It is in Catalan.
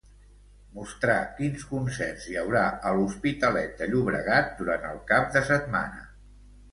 Mostrar quins concerts hi haurà a l'Hospitalet de Llobregat durant el cap de setmana.